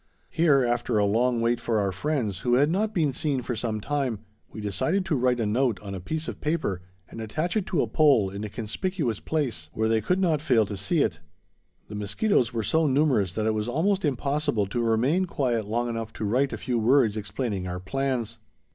Here, after a long wait for our friends, who had not been seen for some time, we decided to write a note on a piece of paper and attach it to a pole in a conspicuous place where they could not fail to see it. The mosquitoes were so numerous that it was almost impossible to remain quiet long enough to write a few words explaining our plans.